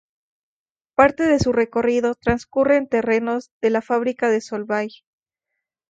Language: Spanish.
Parte de su recorrido transcurre en terrenos de la fábrica de Solvay.